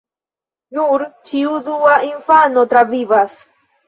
Nur ĉiu dua infano travivas.